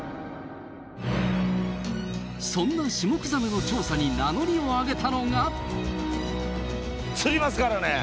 そんなシュモクザメの調査に名乗りを上げたのが。